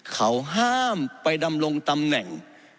เขาห้ามไปดำรงตำแหน่ง